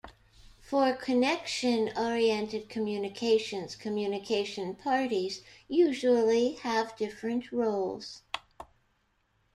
For connection-oriented communications, communication parties usually have different roles.